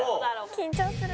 緊張する。